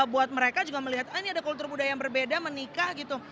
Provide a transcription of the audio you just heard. buat mereka juga melihat ah ini ada kultur budaya yang berbeda menikah gitu